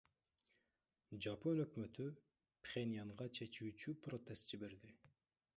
Жапон өкмөтү Пхеньянга чечүүчү протест жиберди.